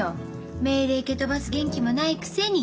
命令蹴飛ばす元気もないくせに。